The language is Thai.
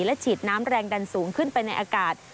และฉีดน้ำแรงดันสูงขึ้นไปในอากาศ